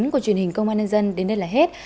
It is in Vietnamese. của truyền hình công an nhân dân đến đây là hết